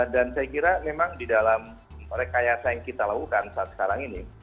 dan saya kira memang di dalam rekayasa yang kita lakukan saat sekarang ini